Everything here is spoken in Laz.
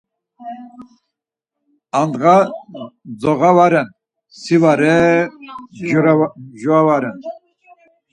Amdğa zuğa va ren, si va re, mjora va ren.